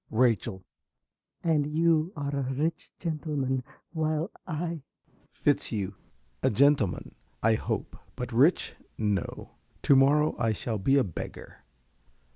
~Rachel.~ And you are a rich gentleman, while I ~Fitzhugh.~ A gentleman, I hope, but rich no. To morrow I shall be a beggar.